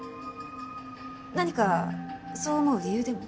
何かそう思う理由でも？